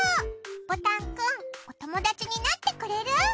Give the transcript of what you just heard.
ボタンくんともだちになってくれる？